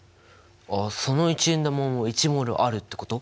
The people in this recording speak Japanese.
あっその１円玉も１ｍｏｌあるってこと？